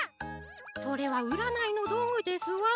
それはうらないのどうぐですわ！